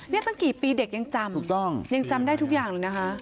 นี่ตั้งกี่ปีเด็กยังจำถูกต้องยังจำได้ทุกอย่างเลยนะคะ